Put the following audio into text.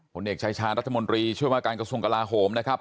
ผลเอกชายชาญรัฐมนตรีช่วยว่าการกระทรวงกลาโหมนะครับ